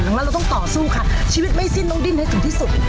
ดังนั้นเราต้องต่อสู้ค่ะชีวิตไม่สิ้นต้องดิ้นให้ถึงที่สุด